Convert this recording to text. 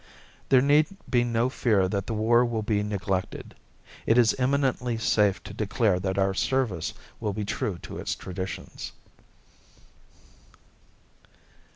There need be no fear that the war will be neglected. It is eminently safe to declare that our service will be true to its traditions.